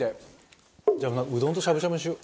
うどんとしゃぶしゃぶにしよう。